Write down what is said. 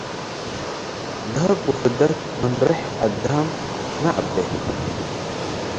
ደሀብ ወፍደት ምን ሬሕ አዳም ሚ ዐቤ